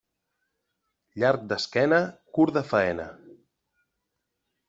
Llarg d'esquena, curt de faena.